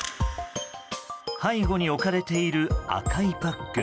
背後に置かれている赤いバッグ。